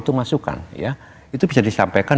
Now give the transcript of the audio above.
itu masukan ya itu bisa disampaikan